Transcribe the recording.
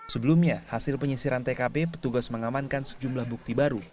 sebelumnya hasil penyisiran tkp petugas mengamankan sejumlah bukti baru